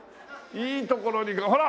いいところにほら！